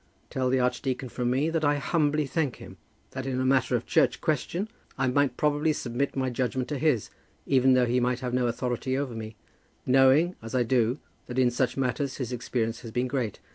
Tell the archdeacon from me that I humbly thank him; that, in a matter of church question, I might probably submit my judgment to his; even though he might have no authority over me, knowing as I do that in such matters his experience has been great.